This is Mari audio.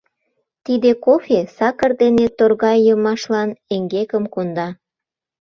Тиде кофе, сакыр дене торгайымашлан эҥгекым конда!..